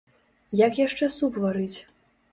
Як яшчэ суп варыць?